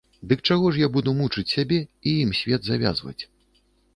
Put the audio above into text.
Дык чаго ж я буду мучыць сябе і ім свет завязваць?